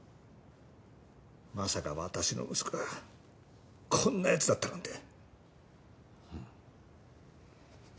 まさか私の息子がこんな奴だったなんて。